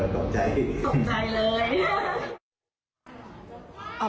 ตกใจเลย